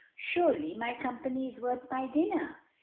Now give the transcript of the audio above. Surely my company is worth my dinner.